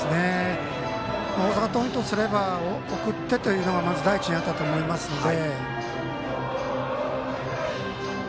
大阪桐蔭とすれば送ってというのが第一にあったと思いますので。